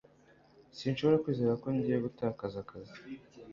Sinshobora kwizera ko ngiye gutakaza akazi